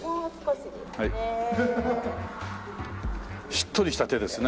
しっとりした手ですね。